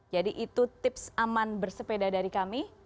jadi itu tips aman bersepeda dari kami